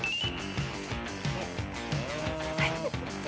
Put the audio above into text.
はい。